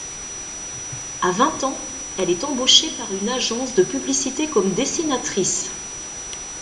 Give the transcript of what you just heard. À vingt ans, elle est embauchée par une agence de publicité comme dessinatrice.